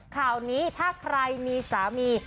ข่าวนี้ถ้าใครมีสามี